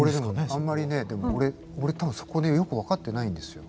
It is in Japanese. あんまりねでも俺多分そこねよく分かってないんですよ。